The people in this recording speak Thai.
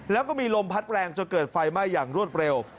แล้วก็มีลมพัดแรงจนเกิดไฟไหม้อย่างรวดเร็ว